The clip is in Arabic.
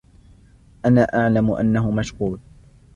أنا أعلم أنه مشغول.